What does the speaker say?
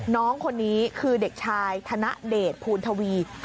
น้องคนนี้คือเด็กชายธนเดชภูณทวี